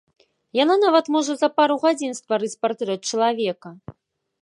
Яна нават можа за пару гадзін стварыць партрэт чалавека.